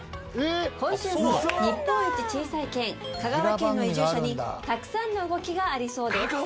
今週も日本一小さい県香川県の移住者にたくさんの動きがありそうです。